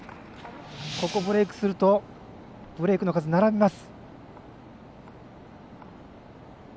ここ、ブレークするとブレークの数、並びます。